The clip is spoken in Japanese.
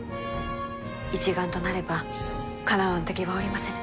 一丸となればかなわぬ敵はおりませぬ。